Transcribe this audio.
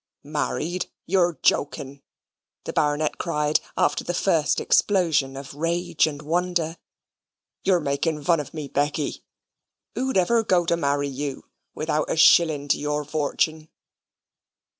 "Married; you're joking," the Baronet cried, after the first explosion of rage and wonder. "You're making vun of me, Becky. Who'd ever go to marry you without a shilling to your vortune?"